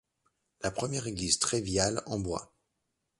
La première église trèviale en bois.